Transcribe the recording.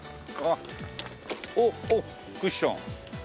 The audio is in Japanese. おっおっクッション。